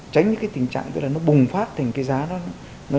tránh những cái tình trạng tức là nó bùng phát thành cái giá nó